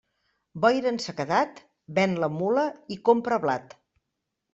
Boira en sequedat, ven la mula i compra blat.